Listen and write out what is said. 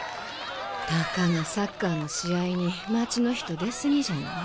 たかがサッカーの試合に町の人出過ぎじゃない？